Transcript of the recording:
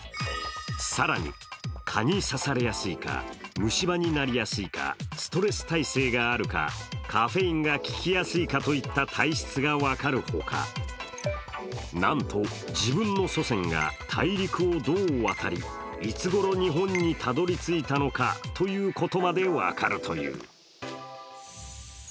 更に、蚊に刺されやすいか、虫歯になりやすいか、ストレス耐性があるか、カフェインがききやすいかといった体質が分かるほか、なんと、自分の祖先が大陸をどう渡りいつごろ、日本にたどり着いたのかということまで分かるという。